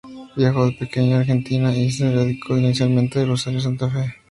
Viajó de pequeño a Argentina y se radicó inicialmente en Rosario de Santa Fe.